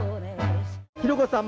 「弘子さん